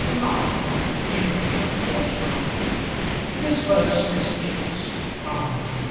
"Not to make a favour of it, of course not." This was Miss Biggs from